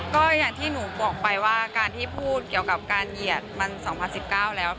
ก็อย่างที่หนูบอกไปว่าการที่พูดเกี่ยวกับการเหยียดมัน๒๐๑๙แล้ว